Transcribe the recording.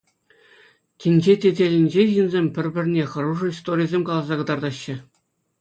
Тӗнче тетелӗнче ҫынсем пӗр-пӗрне хӑрушӑ историсем каласа кӑтартаҫҫӗ.